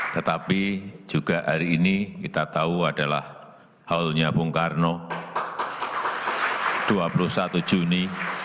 tetapi juga hari ini kita tahu adalah halnya bung karno dua puluh satu juni